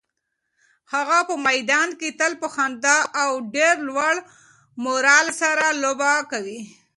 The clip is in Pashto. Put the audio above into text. هغه په میدان کې تل په خندا او ډېر لوړ مورال سره لوبه کوي.